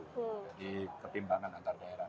jadi ketimbangan antar daerah